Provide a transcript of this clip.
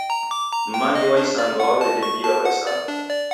M'mangi wa isanga wawededia w'aisanga.